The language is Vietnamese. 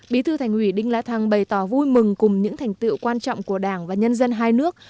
bí thư thành ủy đinh la thăng bày tỏ vui mừng cùng những thành tựu quan trọng của đảng và nhân dân hai nước